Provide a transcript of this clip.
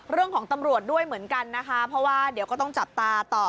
ตำรวจด้วยเหมือนกันนะคะเพราะว่าเดี๋ยวก็ต้องจับตาต่อ